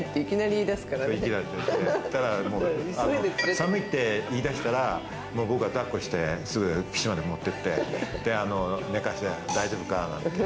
寒いって言い出したら、僕が抱っこしてすぐ岸まで持ってって、寝かして大丈夫かって。